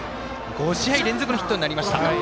５試合連続のヒットになりました。